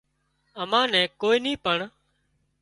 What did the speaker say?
امان نين ڪوئي نِي پڻ